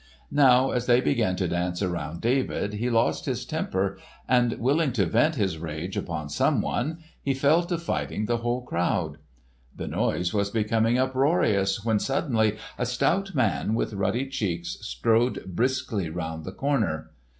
Now as they began to dance around David he lost his temper and, willing to vent his rage upon someone, he fell to fighting the whole crowd. The noise was becoming uproarious when suddenly a stout man with ruddy cheeks strode briskly round the corner.